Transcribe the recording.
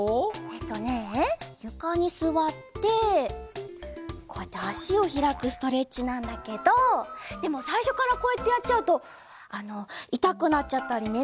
えっとねゆかにすわってこうやってあしをひらくストレッチなんだけどでもさいしょからこうやってやっちゃうといたくなっちゃったりね